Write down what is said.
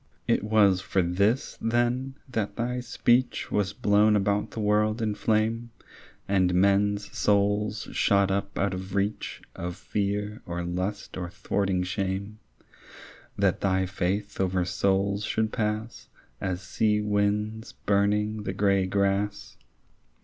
It was for this then, that thy speech Was blown about the world in flame And men's souls shot up out of reach Of fear or lust or thwarting shame— That thy faith over souls should pass As sea winds burning the grey grass?